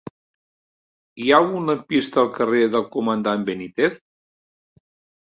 Hi ha algun lampista al carrer del Comandant Benítez?